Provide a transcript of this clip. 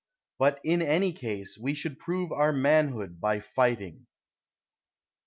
But in any case we should prove our manhood by fighting.